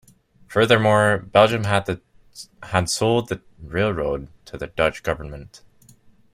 Furthermore, Belgium had sold the railroad to the Dutch Government.